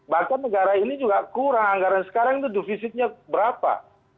bahkan negara ini juga kurang anggaran sekarang itu defisitnya berapa